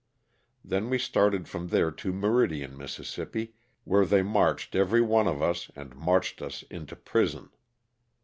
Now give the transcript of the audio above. Then we started from there to Meridian, Miss., where they searched every one of us and marched us into prison.